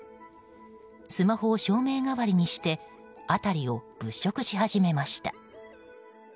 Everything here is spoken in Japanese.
スマホを照明代わりにして辺りを物色し始めました。